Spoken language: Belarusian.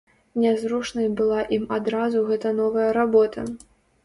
Нязручнай была ім адразу гэтая новая работа.